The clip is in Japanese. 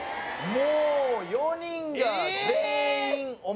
もう４人が全員えっ！